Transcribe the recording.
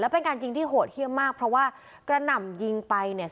เป็นการยิงที่โหดเยี่ยมมากเพราะว่ากระหน่ำยิงไปเนี่ย